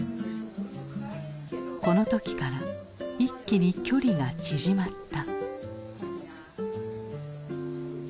この時から一気に距離が縮まった。